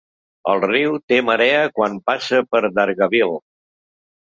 El riu té marea quan passa per Dargaville.